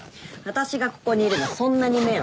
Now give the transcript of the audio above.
私がここにいるのそんなに迷惑？